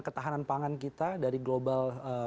ketahanan pangan kita dari global